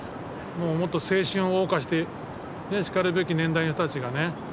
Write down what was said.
もっと青春を謳歌してしかるべき年代の人たちがね